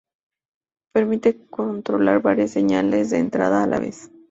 Permiten controlar varias señales de entrada a la vez.